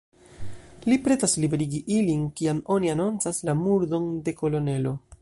Li pretas liberigi ilin, kiam oni anoncas la murdon de kolonelo.